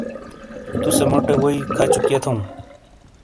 توسے موٹے ووئی کھچوکئیے تھو ؟